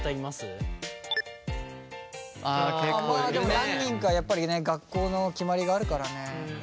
まあでも何人かやっぱりね学校の決まりがあるからね。